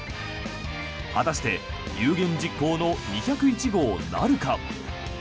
果たして有言実行の２０１号なるか。